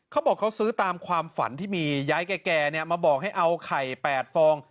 เขาบอกเขาซื้อตามความฝันที่มียายแก่มาบอกให้เอาไข่๘ฟอง